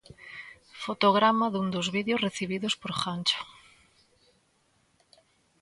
Fotograma dun dos vídeos recibidos por Gancho.